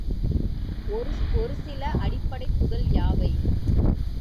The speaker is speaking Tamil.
ஒரு சில அடிப்படைத் துகள் யாவை?